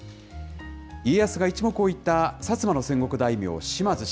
家康が一目置いた薩摩の戦国大名、島津氏。